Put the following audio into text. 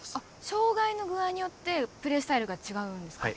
障がいの具合によってプレースタイルが違うんですか？